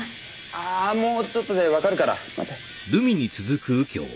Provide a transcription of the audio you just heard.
ああもうちょっとでわかるから待って。